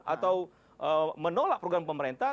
atau menolak program pemerintah